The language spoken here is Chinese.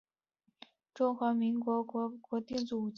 现今亦列为中华民国国定古迹。